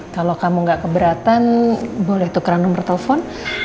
kalau kamu gak keberatan boleh tukeran nomer telepon